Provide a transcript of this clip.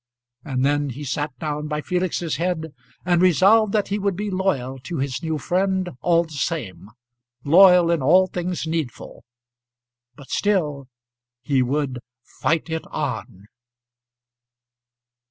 And then he sat down by Felix's head, and resolved that he would be loyal to his new friend all the same loyal in all things needful. But still he would fight it on.